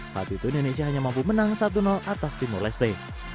saat itu indonesia hanya mampu menang satu atas timur leste